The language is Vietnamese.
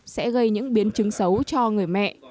sẽ gây những biến đổi